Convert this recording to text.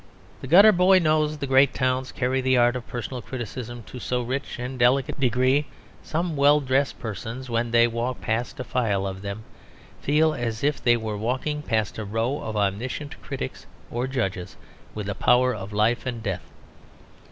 The gutter boys of the great towns carry the art of personal criticism to so rich and delicate a degree that some well dressed persons when they walk past a file of them feel as if they were walking past a row of omniscient critics or judges with a power of life and death.